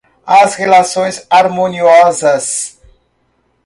as relações harmoniosas